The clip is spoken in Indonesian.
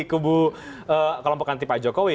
kelompok anti pak jokowi